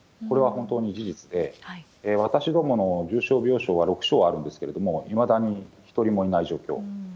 これは本当に事実で、私どもの重症病床は６床あるんですけれども、いまだに１人もいない状況。